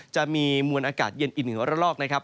จะมีมวลอากาศเย็นอีกหนึ่งระลอกนะครับ